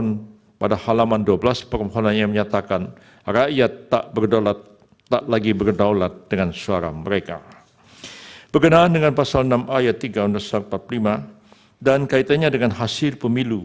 na disappoint yesterday i didn t just say i didn t just talk about ini